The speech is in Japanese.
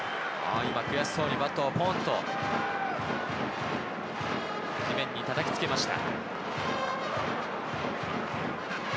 今悔しそうにバットをポンと地面に叩きつけました。